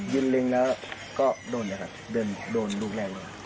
เล็งแล้วก็โดนเลยครับโดนลูกแรกเลย